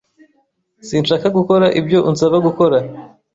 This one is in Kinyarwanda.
Sinshaka gukora ibyo unsaba gukora.